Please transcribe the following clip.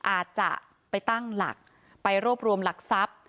อาจจะไปตั้งหลักไปรวบรวมหลักทรัพย์